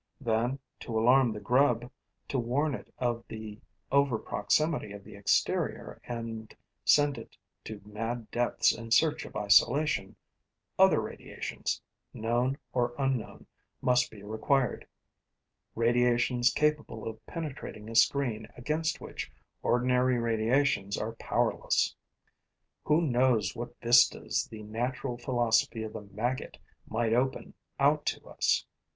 Then, to alarm the grub, to warn it of the over proximity of the exterior and send it to mad depths in search of isolation, other radiations, known or unknown, must be required, radiations capable of penetrating a screen against which ordinary radiations are powerless. Who knows what vistas the natural philosophy of the maggot might open out to us?